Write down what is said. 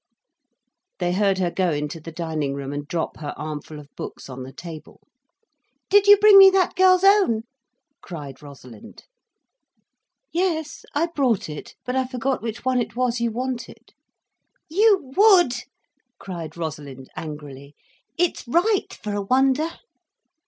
They heard her go into the dining room, and drop her armful of books on the table. "Did you bring me that Girl's Own?" cried Rosalind. "Yes, I brought it. But I forgot which one it was you wanted." "You would," cried Rosalind angrily. "It's right for a wonder."